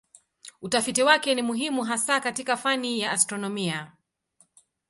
Utafiti wake ni muhimu hasa katika fani ya astronomia.